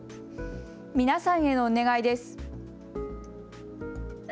皆さんへのお願いです。